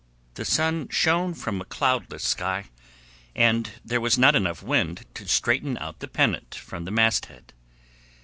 The sun shone from a cloudless sky, and there was not enough wind to straighten out the pennant from the masthead.